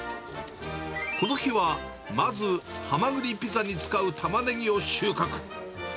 この日は、まずはまぐりピザに使うタマネギを収穫。